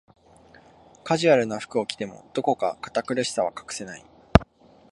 カジュアルな服を着ても、どこか堅苦しさは隠せない